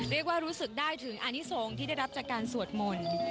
รู้สึกได้ถึงอานิสงฆ์ที่ได้รับจากการสวดมนต์